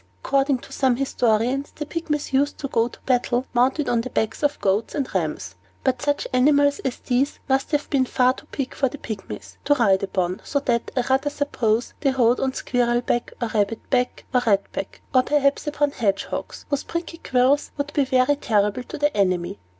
According to some historians, the Pygmies used to go to the battle, mounted on the backs of goats and rams; but such animals as these must have been far too big for Pygmies to ride upon; so that, I rather suppose, they rode on squirrel back, or rabbit back, or rat back, or perhaps got upon hedgehogs, whose prickly quills would be very terrible to the enemy.